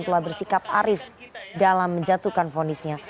telah bersikap arif dalam menjatuhkan fonisnya